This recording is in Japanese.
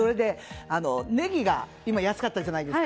ネギが今安かったじゃないですか。